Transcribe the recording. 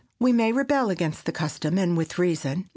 We may rebel against the custom, and with reason.